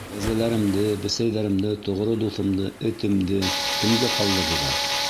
Кәзәләремде, бесәйҙәремде, тоғро дуҫымды — этемде — кемгә ҡалдырырға?